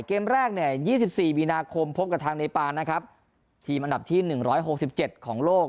เกมแรกเนี่ยยี่สิบสี่มีนาคมพบกับทางเนปานนะครับทีมอันดับที่หนึ่งร้อยหกสิบเจ็ดของโลก